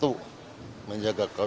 tiga menjaga keamanan negara